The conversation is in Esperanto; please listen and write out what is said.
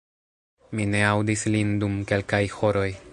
Mi ne aŭdis lin dum kelkaj horoj